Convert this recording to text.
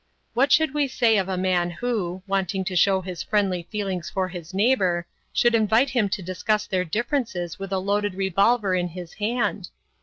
What should we say of a man who, wanting to show his friendly feelings for his neighbor, should invite him to discuss their differences with a loaded revolver in his hand?